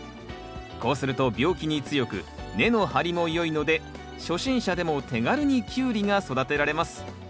こうすると病気に強く根の張りもよいので初心者でも手軽にキュウリが育てられます。